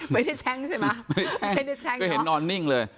ไม่ได้แช้งใช่ไหมไม่ได้แช้งเห็นนอนนิ่งเลย